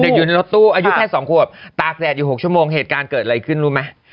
อยู่ในรถตู้อายุแค่๒ขวบตากแดดอยู่๖ชั่วโมงเหตุการณ์เกิดอะไรขึ้นรู้ไหม